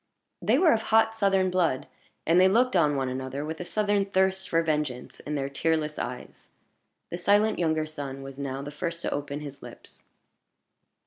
They were of hot Southern blood, and they looked on one another with a Southern thirst for vengeance in their tearless eyes. The silent younger son was now the first to open his lips.